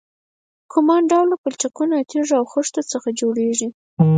کمان ډوله پلچکونه د تیږو او خښتو څخه جوړیږي